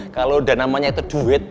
kalau udah namanya itu duit